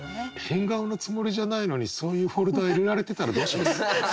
変顔のつもりじゃないのにそういうフォルダ入れられてたらどうします？